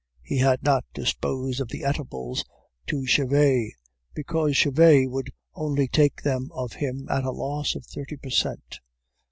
He had not disposed of the eatables to Chevet, because Chevet would only take them of him at a loss of thirty per cent.